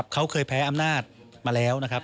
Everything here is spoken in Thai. เขาเคยแพ้อำนาจมาแล้ว